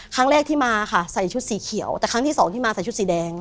ครั้งแรกที่มาค่ะใส่ชุดสีเขียวแต่ครั้งที่สองที่มาใส่ชุดสีแดง